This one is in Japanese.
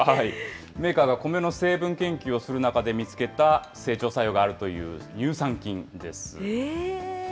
メーカーがコメの成分研究をする中で見つけた整腸作用があるという乳酸菌です。